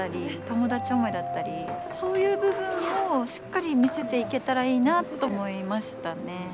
友達思いだったりそういう部分もしっかり見せていけたらいいなと思いましたね。